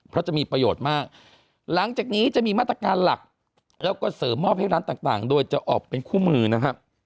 เพราะจะมีประโยชน์มากหลังจากนี้จะมีมาตรการหลักแล้วก็เสริมมอบให้ร้านต่างโดยจะออกเป็นคู่มือนะครับ